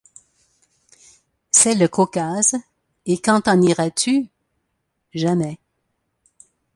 C'est le Caucase. -Et quand t'en iras-tu ? -Jamais.